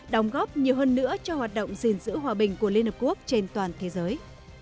đóng góp nhiều hơn nữa cho hoạt động gìn giữ hòa bình của liên hợp quốc trên toàn thế giới